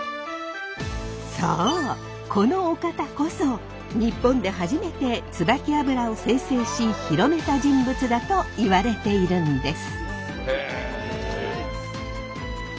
このお方こそ日本で初めてつばき油を精製し広めた人物だといわれているんです。